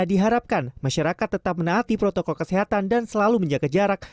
diharapkan masyarakat tetap menaati protokol kesehatan dan selalu menjaga jarak